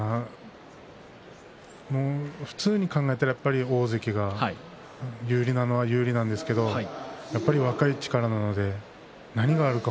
普通に考えたら大関が有利なのは有利なんですがやっぱり若い力なので何があるか